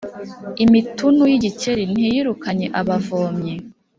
Imitunu y’igikeri ntiyirukanye abavomyi.